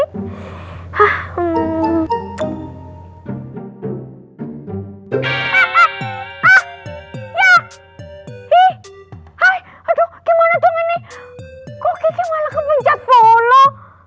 ah ah ah ya ih hai aduh gimana dong ini kok kiki malah kepencet polo